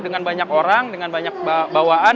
dengan banyak orang dengan banyak bawaan